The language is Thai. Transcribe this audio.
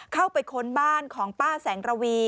เข้าไปค้นบ้านของป้าแสงระวี